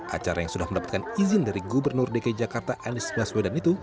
acara yang sudah mendapatkan izin dari gubernur dki jakarta anies baswedan itu